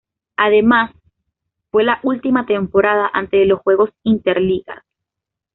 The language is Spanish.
Además fue la última temporada antes de los juegos interligas.